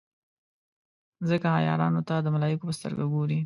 ځکه عیارانو ته د ملایکو په سترګه ګوري.